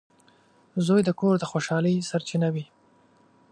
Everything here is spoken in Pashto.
• زوی د کور د خوشحالۍ سرچینه وي.